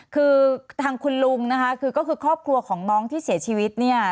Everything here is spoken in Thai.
คือทางคุณลุงนะคะคือก็คือครอบครัวของน้องที่เสียชีวิตเนี่ย